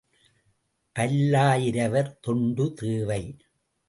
பல்லாயிரவர் தொண்டு தேவை.